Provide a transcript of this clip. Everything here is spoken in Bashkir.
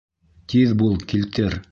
Тиҙ бул, килтер!